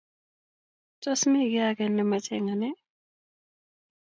Tos, miten kiy age nemache eng ane?